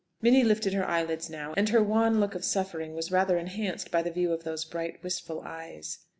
Minnie lifted her eyelids now, and her wan look of suffering was rather enhanced by the view of those bright, wistful eyes.